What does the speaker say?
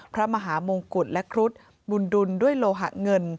พระมหามงกุฎและครุฑบุญดุลด้วยโลหะเงิน